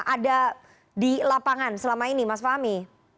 ada di lapangan selama ini mas fahmi